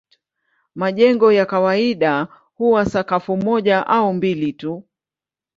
Majengo ya kawaida huwa sakafu moja au mbili tu.